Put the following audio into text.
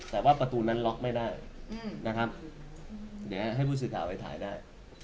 แต่ว่าประตูนั้นล็อกไม่ได้นะครับเดี๋ยวให้ผู้สื่อข่าวไปถ่ายได้